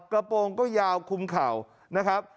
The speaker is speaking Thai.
กระโปรงก็ยาวคุมเข่านะครับ